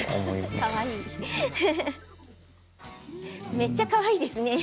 めちゃかわいいですね。